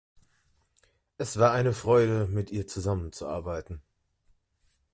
Es war eine Freude, mit ihr zusammenzuarbeiten.